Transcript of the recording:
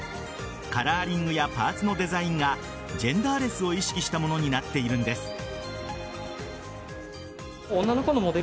カラーリングやパーツのデザインがジェンダーレスを意識したものになっているんです。